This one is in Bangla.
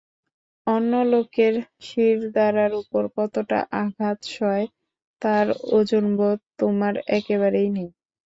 অন্য লোকের শিরদাঁড়ার উপরে কতটা আঘাত সয় তার ওজনবোধ তোমার একেবারেই নেই।